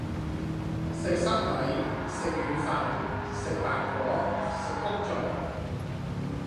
食塞米，食軟飯，食白果，食穀種